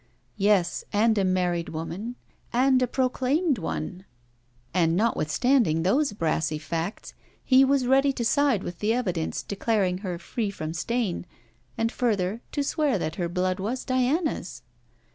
Yes, and a married woman; and a proclaimed one! And notwithstanding those brassy facts, he was ready to side with the evidence declaring her free from stain; and further, to swear that her blood was Diana's!